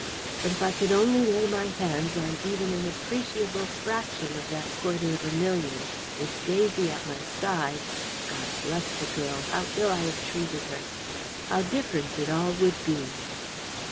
But if I could only lay my hands on even an appreciable fraction of that quarter of a million, with Daisy at my side God bless the girl! how ill I have treated her! how different it all would be!"